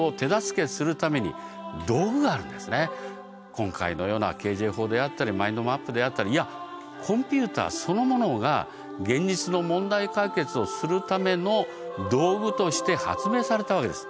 今回のようなＫＪ法であったりマインドマップであったりいやコンピューターそのものが現実の問題解決をするための道具として発明されたわけです。